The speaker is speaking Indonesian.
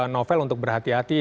novel untuk berhati hati